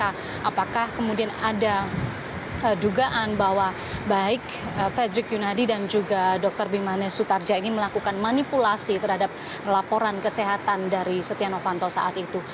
apakah kemudian ada dugaan bahwa baik fredrik yunadi dan juga dr bimanes sutarja ini melakukan manipulasi terhadap laporan kesehatan dari setia novanto saat itu